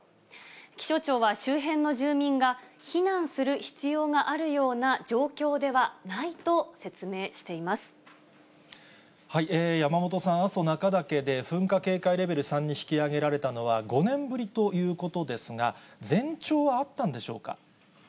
気象庁は周辺の住民が避難する必要があるような状況ではないと説山元さん、阿蘇中岳で噴火警戒レベル３に引き上げられたのは、５年ぶりということですが、前兆はあったんでしょうか。